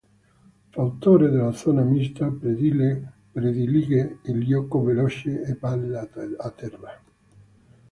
Fautore della zona mista, predilige il gioco veloce e palla a terra.